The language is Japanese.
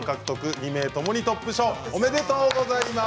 ２名ともにトップ賞おめでとうございます。